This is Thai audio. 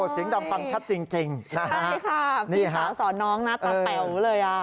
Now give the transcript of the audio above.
เสียงกำปันชัดจริงนะฮะพี่น้องสอนน้องนะแต่แปลวื้อเลยอ่ะ